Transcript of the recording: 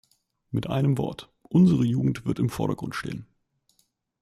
Mit einem Wort, unsere Jugend wird im Vordergrund stehen.